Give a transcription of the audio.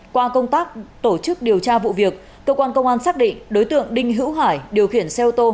qua công tác tổ chức điều tra vụ việc cơ quan công an xác định đối tượng đinh hữu hải điều khiển xe ô tô